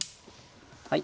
はい。